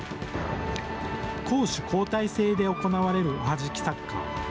攻守交代制で行われるおはじきサッカー。